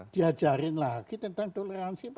diajarin lagi tentang toleransi